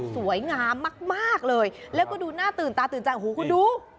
สวยงามมากมากเลยแล้วก็ดูหน้าตื่นตาตื่นใจโอ้โหคุณดู